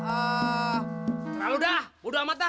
eh udah udah udah amat dah